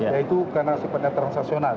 yaitu karena sepenuhnya transaksional